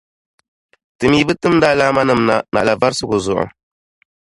Ti mi bi timdi alaamanim’ na, naɣila varisigu zuɣu.